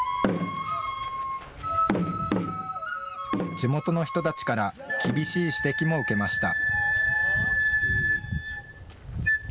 地元の人たちから厳しい指摘も受けました。